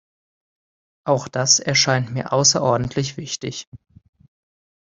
Auch das erscheint mir außerordentlich wichtig.